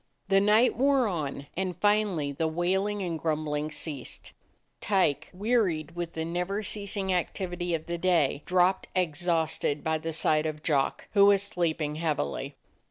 The night wore on, and finally the wailing and grumbling ceased. Tyke, wearied with the never ceasing activity of the day, dropped exhausted by the side of Jock, who was sleep ing heavily.